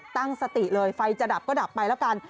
ตั้งสติเลยไฟจะดับก็ดับไปแล้วกัน